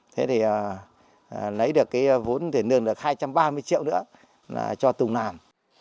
thế thì lấy được cái vốn tiền nương là hai trăm ba mươi triệu nữa là cho tùng làm